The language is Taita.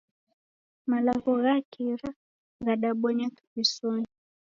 Malagho gha kira ghadabonywa kivisonyi.